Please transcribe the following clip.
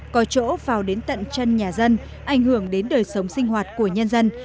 có chỗ vào đến tận chân nhà dân ảnh hưởng đến đời sống sinh hoạt của nhân dân